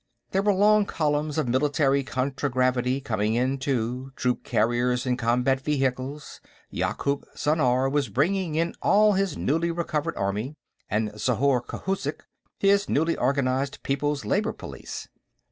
There were long columns of military contragravity coming in, too; troop carriers and combat vehicles. Yakoop Zhannar was bringing in all his newly recovered army, and Zhorzh Khouzhik his newly organized People's Labor Police.